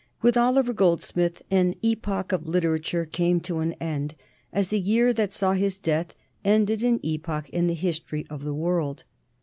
With Oliver Goldsmith an epoch of literature came to an end, as the year that saw his death ended an epoch in the history of the world.